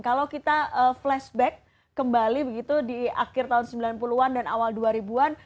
kalau kita flashback kembali begitu di akhir tahun sembilan puluh an dan awal dua ribu an